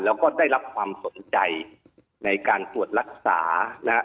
แล้วก็ได้รับความสนใจในการตรวจรักษานะฮะ